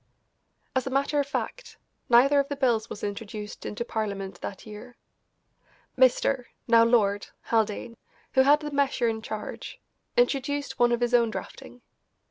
As a matter of fact, neither of the bills was introduced into Parliament that year. Mr. (now Lord) Haldane, who had the measure in charge, introduced one of his own drafting.